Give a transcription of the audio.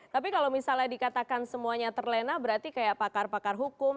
tapi kalau misalnya dikatakan semuanya terlena berarti kayak pakar pakar hukum